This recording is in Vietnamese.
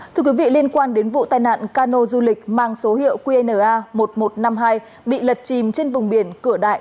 thưa quý vị liên quan đến vụ tai nạn cano du lịch mang số hiệu qna một nghìn một trăm năm mươi hai bị lật chìm trên vùng biển cửa đại